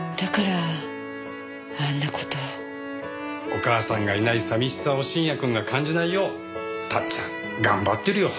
お母さんがいない寂しさを信也くんが感じないよう達ちゃん頑張ってるよ。